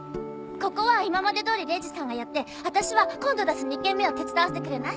ここは今までどおり礼二さんがやって私は今度出す２軒目を手伝わせてくれない？